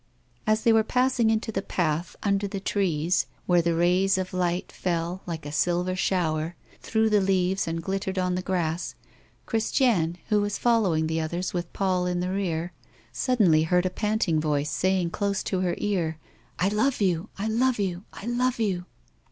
As they were passing into the path under the trees, where rays of light fell, like a silver shower, through the leaves and glittered on the grass, Christiane, who was following the others with Paul in the rear, suddenly heard a panting voice saying close to her ear: "I love you! I love you! I love you!"